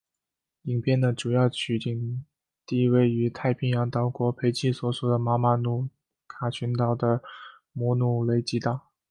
影片的主要取景地位于太平洋岛国斐济所属的马马努卡群岛的摩努雷基岛。